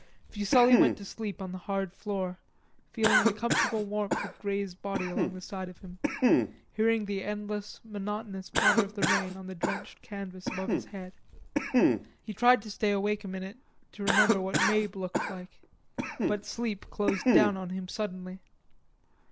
Fuselli went to sleep on the hard floor, feeling the comfortable warmth of Grey's body along the side of him, hearing the endless, monotonous patter of the rain on the drenched canvas above his head. He tried to stay awake a minute to remember what Mabe looked like, but sleep closed down on him suddenly.